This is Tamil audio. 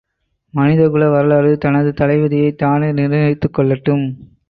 மனிதகுல வரலாறு தனது தலைவிதியைத் தானே நிர்ணயித்துக் கொள்ளட்டும்!